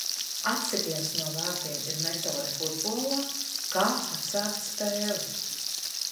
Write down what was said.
Atsitiens no vārtiem ir metode futbolā, kā atsākt spēli.